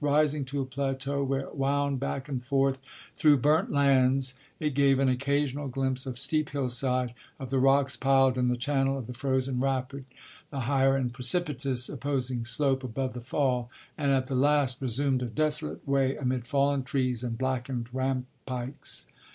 Rising to a plateau where it wound back and forth through burnt lands it gave an occasional glimpse of steep hillside, of the rocks piled in the channel of the frozen rapid, the higher and precipitous opposing slope above the fall, and at the last resumed a desolate way amid fallen trees and blackened rampikes.